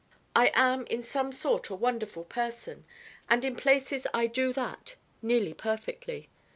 I am in some sort a wonderful person and in places I do that, nearly perfectly.